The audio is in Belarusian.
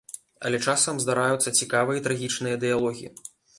Але часам здараюцца цікавыя і трагічныя дыялогі.